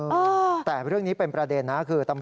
เออถ้าท่านนี่ไปเล่นน้ำมา